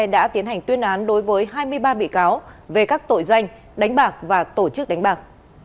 đã tiến hành tuyên án đối với hai mươi ba bị cáo về các tội danh đánh bạc và tổ chức đánh bạc